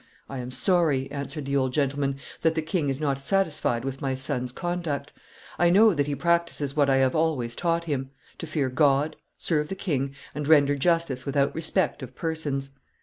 "I am sorry," answered the old gentleman, "that the king is not satisfied with my son's conduct; I know that he practises what I have always taught him, to fear God, serve the king, and render justice without respect of persons.